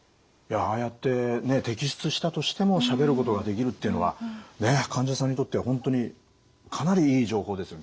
ああやって摘出したとしてもしゃべることができるっていうのは患者さんにとっては本当にかなりいい情報ですよ。